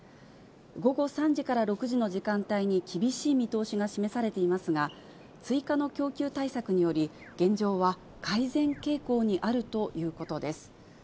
午後３時から６時の時間帯に厳しい見通しが示されていますが、追加の供給対策により、現状は改善傾向にあるということです。